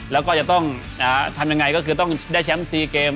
แล้วก็จะต้องทำยังไงก็คือต้องได้แชมป์๔เกม